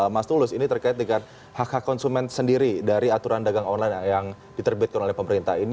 mas tulus ini terkait dengan hak hak konsumen sendiri dari aturan dagang online yang diterbitkan oleh pemerintah ini